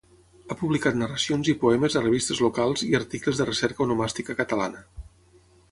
Ha publicat narracions i poemes a revistes locals i articles de recerca onomàstica catalana.